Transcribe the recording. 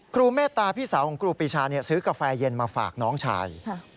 เมตตาพี่สาวของครูปีชาซื้อกาแฟเย็นมาฝากน้องชาย